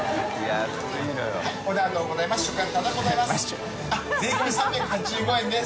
ありがとうございます。